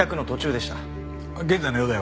現在の容体は？